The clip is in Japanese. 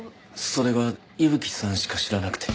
それが伊吹さんしか知らなくて。